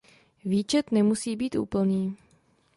Výčet nemusí být úplný.